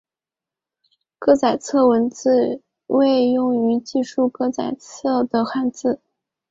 歌仔册文字为用于记述歌仔册的汉字。